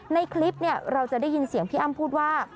ในคลิปเราจะได้ยินเสียงพี่อ้ำพูดว่า